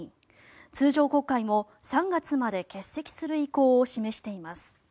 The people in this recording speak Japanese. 通常国会も３月まで欠席する意向を示しています。